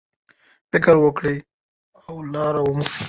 فکر وکړئ او لاره ومومئ.